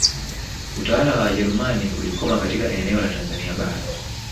Utawala wa Wajerumani ulikoma katika eneo la Tanzania Bara